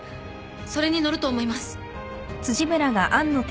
それに乗ると思います